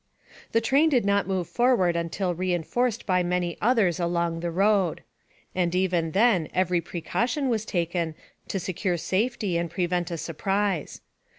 The train did not move forward until re enforced by many others along the road; and even then every precaution was taken to secure safety and prevent a surprise.